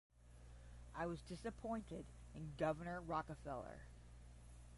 I was disappointed in Governor Rockefeller.